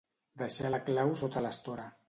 Deixar la clau sota l'estora.